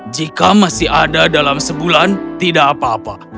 jika masih ada dalam sebulan tidak apa apa